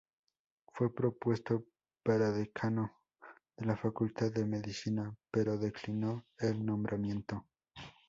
Fue propuesto para decano de la Facultad de Medicina pero declinó el nombramiento.